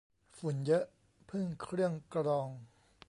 ฝุ่นเยอะพึ่งเครื่องกรอง